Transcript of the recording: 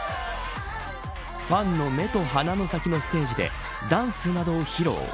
ファンの目と鼻の先のステージでダンスなどを披露。